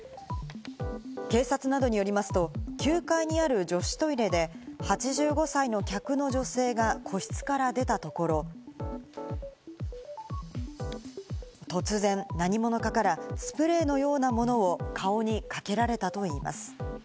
警察などによりますと９階にある女子トイレで８５歳の客の女性が個室から出たところ、突然何者かからスプレーのようなものを顔にかけられたといいます。